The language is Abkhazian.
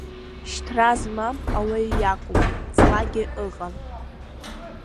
Шьҭра змам ауаҩ иакәым, ҵлагьы ыҟам.